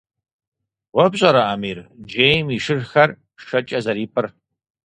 Уэ пщӀэрэ, Амир, джейм и шырхэр шэкӀэ зэрипӀыр?